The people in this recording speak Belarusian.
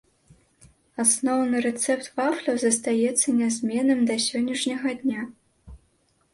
Асноўны рэцэпт вафляў застаецца нязменным да сённяшняга дня.